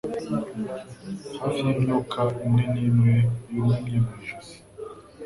hafi y'imyuka imwe nimwe yunamye mu ijosi